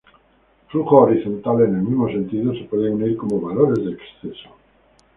Flujos horizontales en el mismo sentido se pueden unir como "valores de exceso".